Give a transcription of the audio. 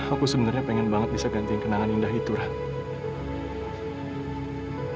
aku sebenarnya pengen banget bisa gantiin kenangan indah itu